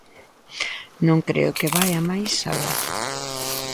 Non creo que vaia máis alá.